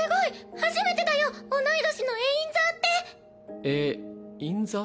初めてだよ同い年のエインザーってエインザー？